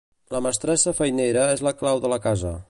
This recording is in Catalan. La mestressa feinera és la clau de la casa.